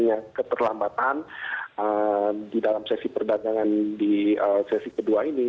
jadi yang keterlambatan di dalam sesi perdagangan di sesi kedua ini